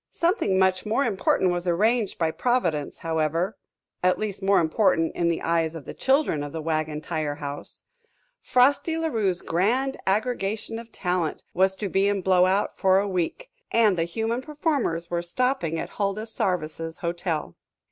Something much more important was arranged by Providence, however at least, more important in the eyes of the children of the Wagon Tire House. Frosty La Rue's grand aggregation of talent was to be in Blowout for a week, and the human performers were stopping at Huldah Sarvice's hotel.